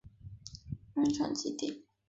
原产极地。